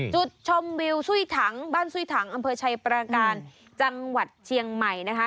จุดชมวิวช่วยถังบ้านซุ้ยถังอำเภอชัยปราการจังหวัดเชียงใหม่นะคะ